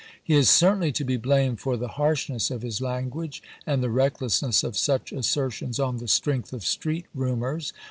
He is certainly to be blamed for the harshness of his language and the recklessness of such assertions on the strength of street rumors.